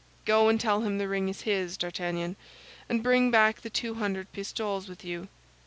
Go and tell him the ring is his, D'Artagnan, and bring back the two hundred pistoles with you."